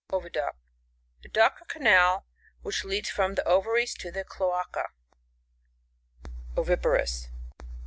Oviduct. — The duct or canal which leads from the ovaries to the cloaca. Oviparous.